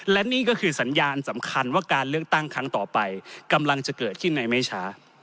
และนี่ก็คือสัญญาณสำคัญว่าการเลือกตั้งครั้งต่อไปกำลังจะเกิดขึ้นในไม่ช้า